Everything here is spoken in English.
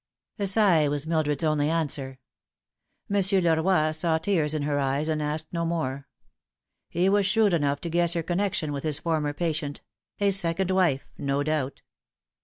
A sigh was Mildred's only answer. Monsieur Leroy saw tears in her eyes, and asked no more. He was shrewd enough to guess her connection with his former patient a second wife, no doubt.